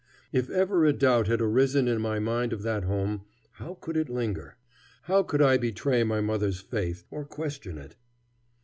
If ever a doubt had arisen in my mind of that home, how could it linger? How could I betray my mother's faith, or question it?